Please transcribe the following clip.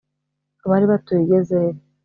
bari batuye i gezeri